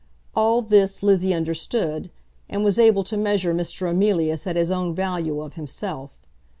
All this Lizzie understood, and was able to measure Mr. Emilius at his own value of himself.